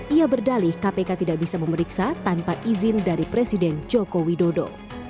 ia berdalih kpk tidak bisa memeriksa tanpa izin dari presiden joko widodo